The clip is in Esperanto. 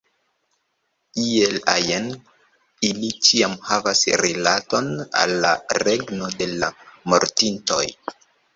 Iel ajn, ili ĉiam havas rilaton al la regno de la mortintoj.